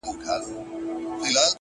خپل سبا د نن په عمل جوړ کړئ